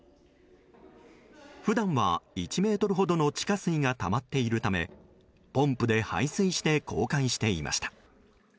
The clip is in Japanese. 普段は１ｍほどの地下水がたまっているためポンプで排水して公開していました。